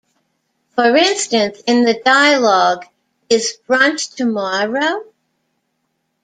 For instance, in the dialogue Is it brunch tomorrow?